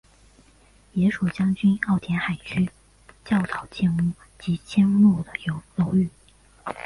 也属将军澳填海区较早建屋及迁入的楼宇。